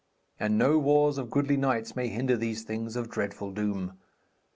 And no wars of goodly knights may hinder these things of dreadful doom.